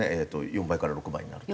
４倍から６倍になると。